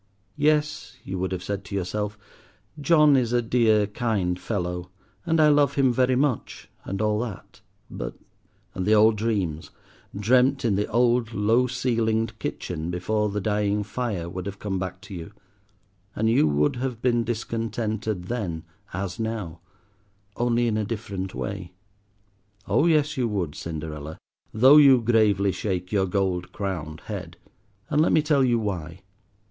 "Yes," you would have said to yourself—"John is a dear, kind fellow, and I love him very much, and all that, but—" and the old dreams, dreamt in the old low ceilinged kitchen before the dying fire, would have come back to you, and you would have been discontented then as now, only in a different way. Oh yes, you would, Cinderella, though you gravely shake your gold crowned head. And let me tell you why.